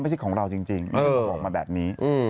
ไม่ใช่ของเราจริงบอกมาแบบนี้